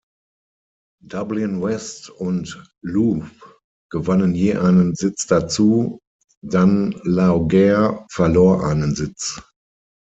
Dublin West und Louth gewannen je einen Sitz dazu, Dún Laoghaire verlor einen Sitz.